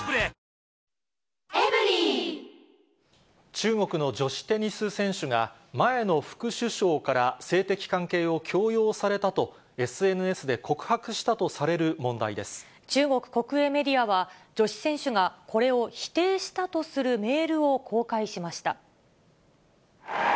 中国の女子テニス選手が、前の副首相から性的関係を強要されたと、ＳＮＳで告白したとされ中国国営メディアは、女子選手がこれを否定したとするメールを公開しました。